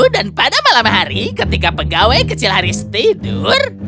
dan pada malam hari ketika pegawai kecil haris tidur